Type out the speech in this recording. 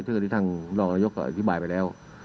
ที่ทางนอกระยกอธิบายไปแล้ว